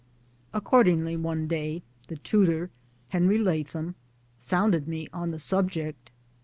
Accordingly one day the tutor (Henry Latham) sounded me on the subject.